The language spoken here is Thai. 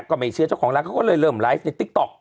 ก็ไม่เชื่อเจ้าของร้านเขาก็เลยเริ่มไลฟ์ในติ๊กต๊อก